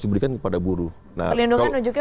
diberikan kepada buru nah pelindungan nunjuknya